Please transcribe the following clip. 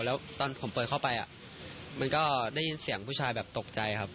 แล้วตอนผมเปิดเข้าไปมันก็ได้ยินเสียงผู้ชายแบบตกใจครับ